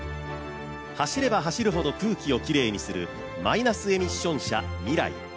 走れば走るほど空気をきれいにするマイナスエミッション車ＭＩＲＡＩ